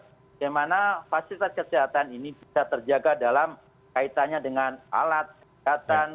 bagaimana fasilitas kesehatan ini bisa terjaga dalam kaitannya dengan alat kesehatan